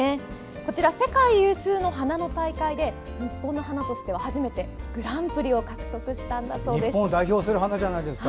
こちらは世界有数の花の大会で日本の花として初めてグランプリを日本を代表する花ですね。